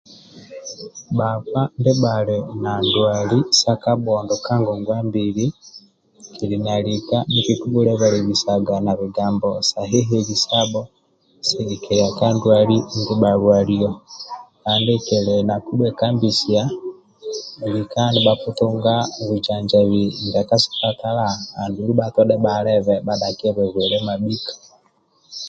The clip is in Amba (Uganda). Bhakpa ndibha ali na ndwali sa kabhondo ka ngongwa mbili kili nalika nikikibhulebalebisaga na bigamabo sa hehelisiabho sigikilia ka ndwali ndia bhalwalio kandi kili nakubhuekambisaia lika nibhakitunga bujanjabi ndia ka sipatala andulu bhatodhe bhalebe bhadhakiebe bwile mabhika